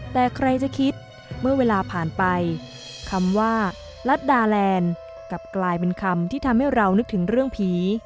แต่ใครจะคิดเมื่อเวลาผ่านไปคำว่ารัฐดาแลนด์กลับกลายเป็นคำที่ทำให้เรานึกถึงเรื่องผี